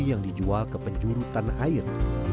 yang dijual ke penjurutan air